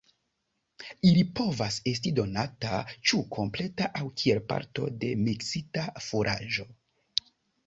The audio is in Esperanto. Ili povas esti donata ĉu kompleta aŭ kiel parto de miksita furaĝo.